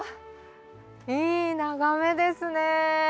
いい眺めですね。